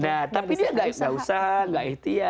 nah tapi dia enggak usah enggak ikhtiar